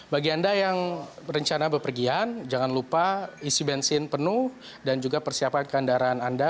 bagi anda yang rencana berpergian jangan lupa isi bensin penuh dan juga persiapan kendaraan anda